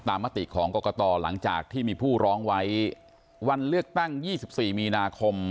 มติของกรกตหลังจากที่มีผู้ร้องไว้วันเลือกตั้ง๒๔มีนาคม